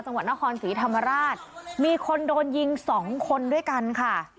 จังหวัดนครศรีธรรมราชมีคนโดนยิงสองคนด้วยกันค่ะ